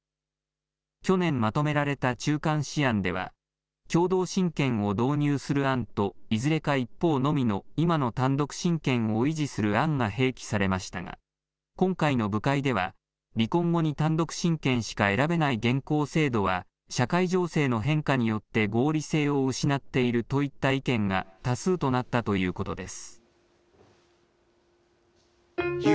去年まとめられた中間試案では、共同親権を導入する案と、いずれか一方のみの今の単独親権を維持する案が併記されましたが、今回の部会では、離婚後に単独親権しか選べない現行制度は、社会情勢の変化によって合理性を失っているといった意見が多数となったということです。